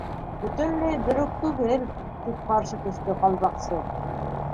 —Бөтөнләй бер үк түгел, —тип ҡаршы төштө Ҡалпаҡсы.